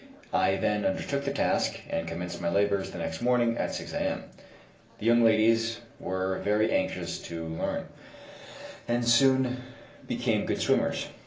I then undertook the task, and commenced my labors the next morning at 6 a.m. The young ladies were very anxious to learn, and soon became good swimmers.